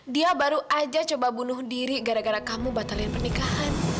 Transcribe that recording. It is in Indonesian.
dia baru aja coba bunuh diri gara gara kamu batalin pernikahan